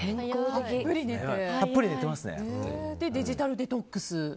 それで、デジタルデトックスも。